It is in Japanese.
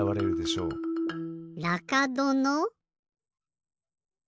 らかどの？